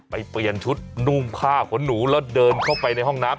เปลี่ยนชุดนุ่งผ้าขนหนูแล้วเดินเข้าไปในห้องน้ำ